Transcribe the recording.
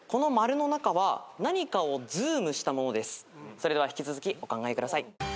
それでは引き続きお考えください。